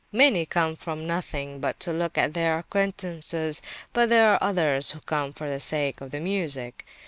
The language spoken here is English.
Many come for nothing but to look at their acquaintances, but there are others who come for the sake of the music.